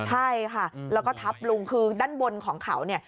ใช่ค่ะแล้วก็ทับลุงคือด้านบนของเขาเนี่ย